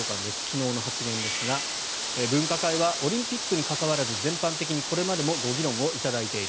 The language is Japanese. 昨日の発言ですが分科会はオリンピックにかかわらず全般的にこれまでもご議論をいただいている。